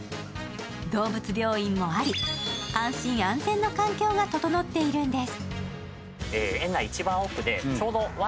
動物病院もあり、安心・安全の環境が整っているんです。